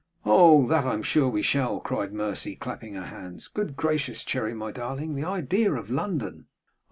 'Oh! that I'm sure we shall!' cried Mercy, clapping her hands. 'Good gracious, Cherry, my darling, the idea of London!